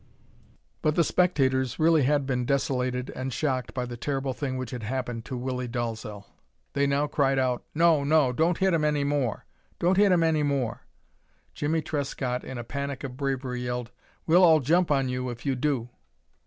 But the spectators really had been desolated and shocked by the terrible thing which had happened to Willie Dalzel. They now cried out: "No, no; don't hit 'im any more! Don't hit 'im any more!" Jimmie Trescott, in a panic of bravery, yelled, "We'll all jump on you if you do."